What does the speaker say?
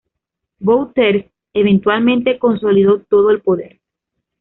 Bouterse eventualmente consolidó todo el poder.